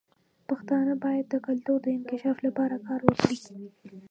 پښتانه باید د کلتور د انکشاف لپاره کار وکړي.